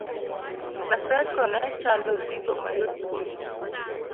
Naseko nechalo osiko mayot kuomgi